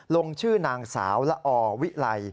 ลงชื่อนางสาวละอวิไล